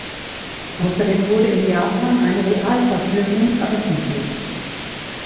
Außerdem wurde in Japan eine Realverfilmung veröffentlicht.